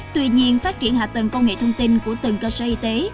tuy nhiên phát triển hạ tầng công nghệ thông tin của từng cơ sở y tế